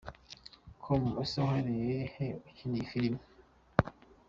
com: ese wahereye he ukina filime?.